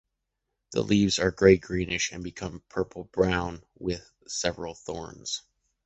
The leaves are gray-greenish and become purple-brown with several thorns.